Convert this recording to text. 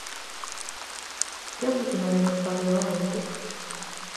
Que oficina de empadroamento?